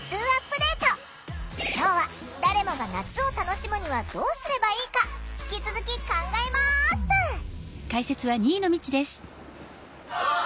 今日は誰もが夏を楽しむにはどうすればいいか引き続き考えます！